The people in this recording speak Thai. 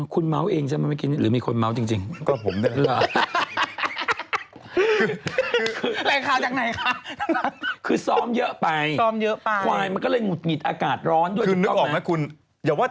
คุณเมาส์เองใช่ไหมเมื่อกี้หรือมีคนเมาส์จริง